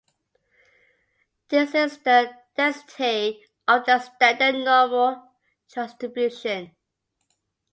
This is the density of the standard normal distribution.